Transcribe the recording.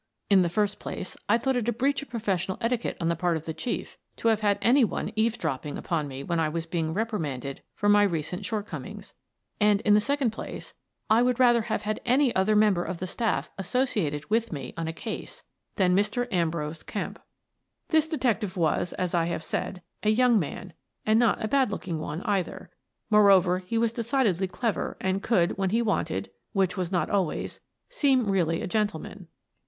In the first place, I thought it a breach of profes sional etiquette on the part of the Chief to have had any one eavesdropping upon me when I was being reprimanded for my recent shortcomings, and in the second place, I would rather have had any other member of the staff associated with me on a case than Mr. Ambrose Kemp. This detective was, as I have said, a young man, and not a bad looking one, either. Moreover, he was decidedly clever and could, when he wanted — which was not always — seem really a gentleman.